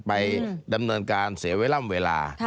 ไปดำเนินการเสียไวร่ามเวลา